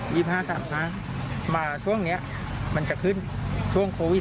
ยีบหาสามหามาช่วงเนี้ยมันจะขึ้นช่วงโควิด